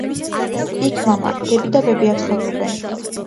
იქ მამა, დები და ბებია ცხოვრობენ.